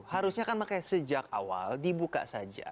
harusnya kan makanya sejak awal dibuka saja